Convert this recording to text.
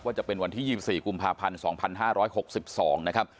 จะเป็นวันที่๒๔กุมภาพันธ์๒๕๖๒นะครับ